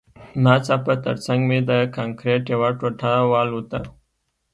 ناڅاپه ترڅنګ مې د کانکریټ یوه ټوټه والوته